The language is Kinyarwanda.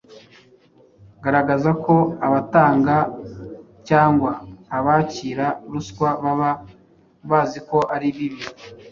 Garagaza ko abatanga cyangwa abakira ruswa baba bazi ko ari bibi.